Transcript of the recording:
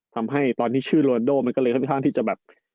ทำให้ตอนที่ชื่อโรนโดมันก็เลยค่อนข้างที่จะแบบ